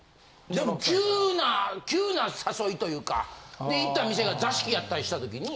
でも急な急な誘いというかで行った店が座敷やったりした時に。